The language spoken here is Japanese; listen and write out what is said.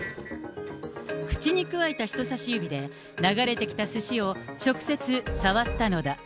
口にくわえた人差し指で、流れてきたすしを直接触ったのだ。